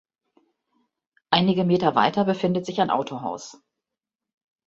Einige Meter weiter befindet sich ein Autohaus.